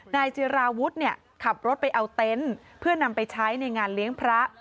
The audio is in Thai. นายจิราวุฒิเนี่ยขับรถไปเอาเต็นต์เพื่อนำไปใช้ในงานเลี้ยงพระ